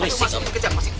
masuk masuk masuk